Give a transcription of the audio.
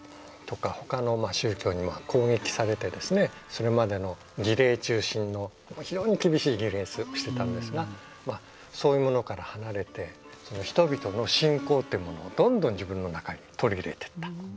それまでの儀礼中心の非常に厳しい儀礼をしてたんですがそういうものから離れて人々の信仰ってものをどんどん自分の中に取り入れていった。